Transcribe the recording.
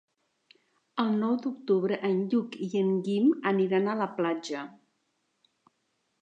El nou d'octubre en Lluc i en Guim aniran a la platja.